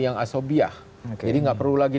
yang asobiah jadi nggak perlu lagi